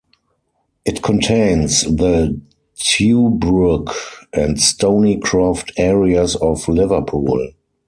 It contains the Tuebrook and Stoneycroft areas of Liverpool.